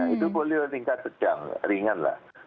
itu polio tingkat sedang ringan lah